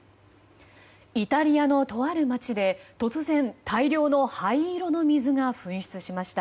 イタリアのとある街で突然、大量の灰色の水が噴出しました。